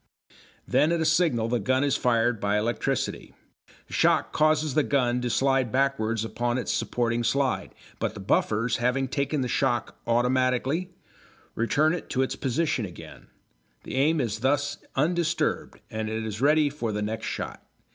Then at a signal the gun is fired by electricity. The shock causes the gun to slide backwards upon its supporting slide, but the buffers, having taken the shock automatically, return it to its position again; the aim is thus undisturbed and it is ready for the next shot.